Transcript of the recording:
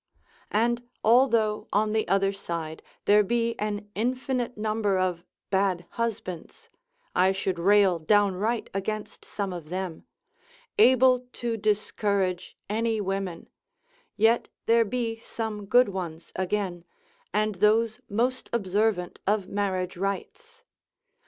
And although on the other side there be an infinite number of bad husbands (I should rail downright against some of them), able to discourage any women; yet there be some good ones again, and those most observant of marriage rites.